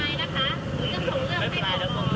อย่าล็อกตัวผมได้อย่างนี้